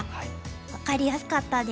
分かりやすかったです。